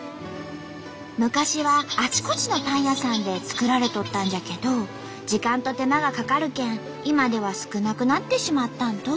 昔はあちこちのパン屋さんで作られとったんじゃけど時間と手間がかかるけん今では少なくなってしまったんと。